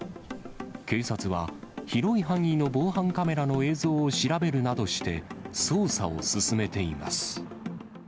警察は、広い範囲の防犯カメラの映像を調べるなどして、捜査を進めています。